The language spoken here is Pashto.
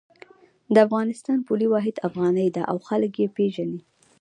د افغانستان پولي واحد افغانۍ ده او خلک یی پیژني